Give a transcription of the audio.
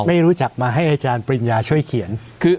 ไม่รู้จักมาให้อาจารย์ปริญญาช่วยเขียน